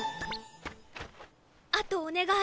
あとお願い。